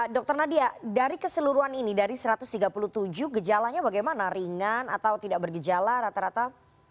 dr nadia dari keseluruhan ini dari satu ratus tiga puluh tujuh gejalanya bagaimana ringan atau tidak bergejala rata rata